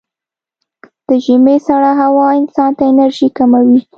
د ژمي سړه هوا انسان ته انرژي کموي.